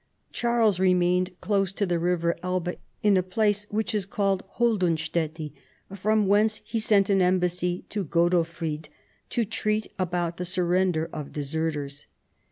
Charles re mained close to the river Elbe in a place Avhich is called Holdunsteti, from Avhence he sent an embassy to Godofrid to treat about the surrender of de serters."